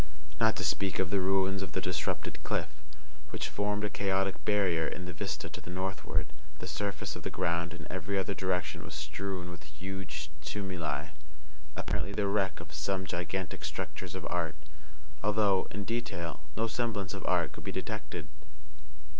Not to speak of the ruins of the disrupted cliff, which formed a chaotic barrier in the vista to the northward, the surface of the ground in every other direction was strewn with huge tumuli, apparently the wreck of some gigantic structures of art; although, in detail, no semblance of art could be detected.